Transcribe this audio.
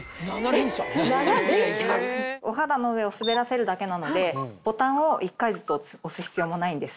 連射⁉お肌の上を滑らせるだけなのでボタンを１回ずつ押す必要もないんです。